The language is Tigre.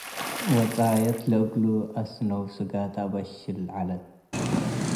ወጻየት ለእሉ አስነው ስገ ተአበሽ'ል ዐለት።